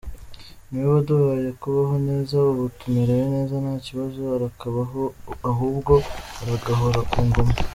Niwe waduhaye kubaho neza, ubu tumerewe neza nta kibazo arakabaho ahubwo, aragahora ku ngoma.